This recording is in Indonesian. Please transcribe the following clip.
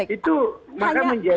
itu maka menjadi